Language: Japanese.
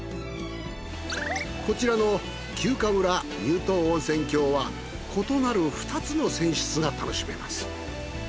こちらの休暇村乳頭温泉郷は異なる２つの泉質が楽しめます。